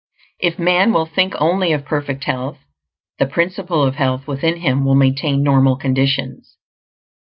If man will think only of perfect health, the Principle of Health within him will maintain normal conditions.